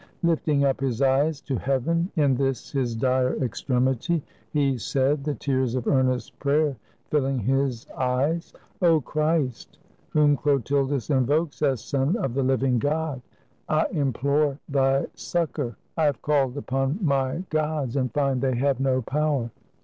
Lifting up his eyes to heaven, in this his dire extremity, he said, the tears of earnest prayer filling his eyes :— ''0 Christ! Whom Chlotildis invokes as Son of the living God, I implore thy succor ! I have called upon my 147 FRANCE gods, and find they have no power.